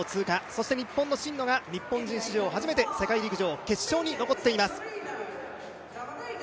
そして日本の真野が、日本史上初めて、世界陸上の決勝に残っています。